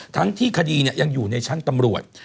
ทั้งที่คดียังอยู่ในชั้นตำรวจ